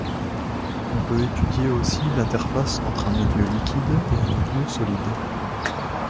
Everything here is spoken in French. On peut étudier aussi l'interface entre un milieu liquide et un milieu solide.